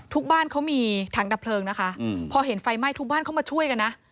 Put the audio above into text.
บ้านเขามีถังดับเพลิงนะคะพอเห็นไฟไหม้ทุกบ้านเข้ามาช่วยกันนะ